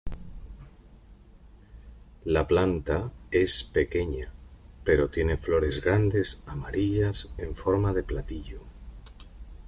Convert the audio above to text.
La planta es pequeña, pero tiene flores grandes, amarillas, en forma de platillo.